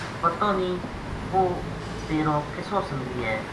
پتو نیہہ وہ تیرو کِسو سنگی ہے